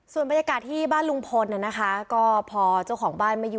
ส่วนบรรยากาศที่บ้านลุงพลพอเจ้าของบ้านมาอยู่